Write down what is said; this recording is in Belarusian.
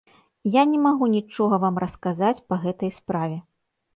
Я не магу нічога вам расказаць па гэтай справе.